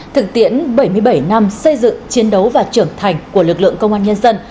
thực tiễn bảy mươi bảy năm xây dựng chiến đấu và trưởng thành của lực lượng công an nhân dân